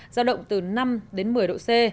giao động từ năm đến một mươi độ c